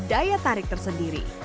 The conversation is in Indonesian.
daya tarik tersendiri